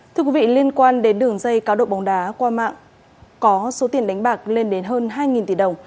thưa quý vị liên quan đến đường dây cá độ bóng đá qua mạng có số tiền đánh bạc lên đến hơn hai tỷ đồng